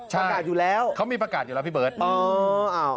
ประกาศอยู่แล้วพี่เบิร์ตใช่เขามีประกาศอยู่แล้ว